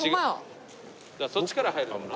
そっちから入るかもな。